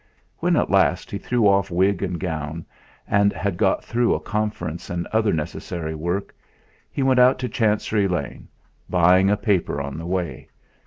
When at last he threw off wig and gown, and had got through a conference and other necessary work, he went out to Chancery Lane, buying a paper on the way.